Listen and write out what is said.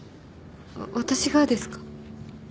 私がですか？